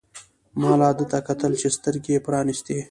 ما لا ده ته کتل چې سترګې يې پرانیستې.